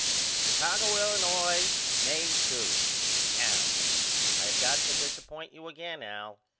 Chicago, Illinois, May 2. AL: I have got to disappoint you again Al.